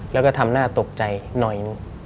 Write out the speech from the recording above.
แล้วก็ทำหน้าตกใจหน่อย